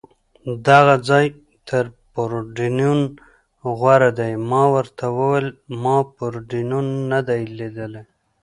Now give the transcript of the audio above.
دغه ځای تر پورډېنون غوره دی، ما ورته وویل: ما پورډېنون نه دی لیدلی.